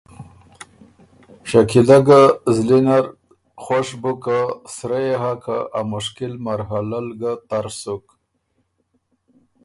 شکیلۀ ګۀ زلی نر خوش بُک که سرۀ يې هۀ که آ مشکل مرحلۀ ل ګۀ تر سُک